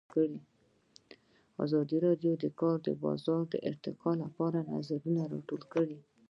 ازادي راډیو د د کار بازار د ارتقا لپاره نظرونه راټول کړي.